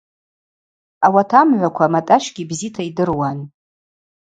Ауат амгӏваква Матӏащгьи бзита йдыруан.